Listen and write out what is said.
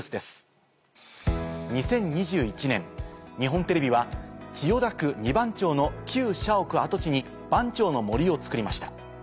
２０２１年日本テレビは千代田区二番町の社屋跡地に。を作りました。